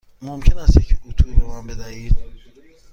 ممکن است یک اتو به من بدهید؟